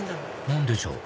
何でしょう？